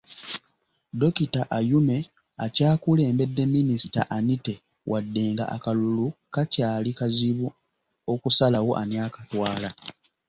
Dokita Ayume akyakulembedde Minisita Anite wadde nga akalulu kakyali kazibu okusalawo ani akatwala.